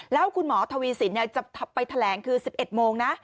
แล้วคุณหมอทวีสินจะไปแถลงคือ๑๑โมงนะ